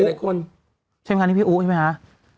ใช่ไหมคะนี่พี่อู๋ใช่ไหมคะ